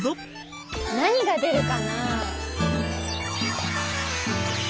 何が出るかな。